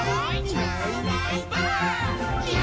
「いないいないばあっ！」